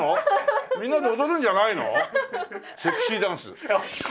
セクシーダンス。